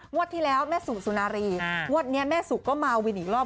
ที่แล้วแม่สู่สุนารีงวดนี้แม่สุก็มาวินอีกรอบ